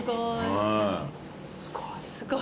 すごい。